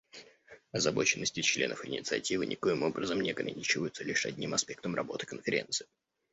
Озабоченности членов Инициативы никоим образом не ограничиваются лишь одним аспектом работы Конференции.